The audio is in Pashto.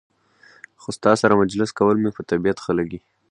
خو ستا سره مجلس کول مې په طبیعت ښه لګي.